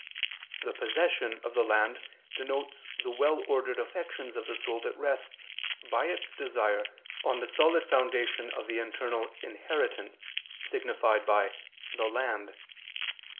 The "possession" of the land denotes the well ordered affections of the soul that rests, by its desire, on the solid foundation of the eternal inheritance, signified by "the land."